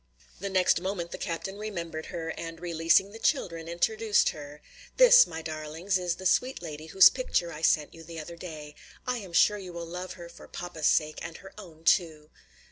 The next moment the captain remembered her, and releasing the children, introduced her. "This, my darlings, is the sweet lady whose picture I sent you the other day, I am sure you will love her for papa's sake and her own too."